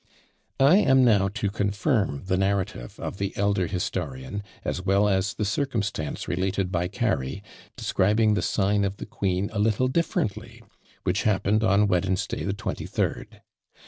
I am now to confirm the narrative of the elder historian, as well as the circumstance related by Cary, describing the sign of the queen a little differently, which happened on Wednesday, 23rd.